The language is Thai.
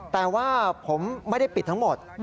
แต่ว่าผมไม่ได้ปิดทั้งหมด